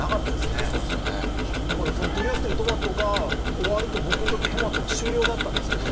だから取り寄せてるトマトが終わると僕にとってトマトは終了だったんですけど。